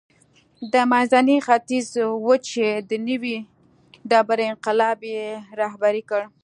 دا منځنی ختیځ و چې د نوې ډبرې انقلاب یې رهبري کړ.